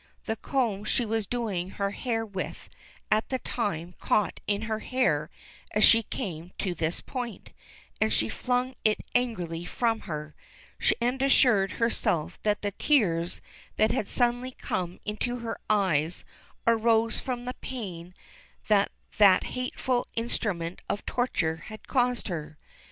The comb she was doing her hair with at the time caught in her hair as she came to this point, and she flung it angrily from her, and assured herself that the tears that had suddenly come into her eyes arose from the pain that that hateful instrument of torture had caused her.